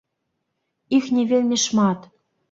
Іх не вельмі шмат.